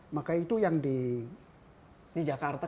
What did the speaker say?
maka itu yang di jakarta